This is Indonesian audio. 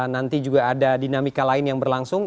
nanti juga ada dinamika lain yang berlangsung